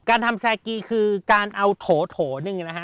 การทำแซกีคือการเอาโถหนึ่งนะฮะ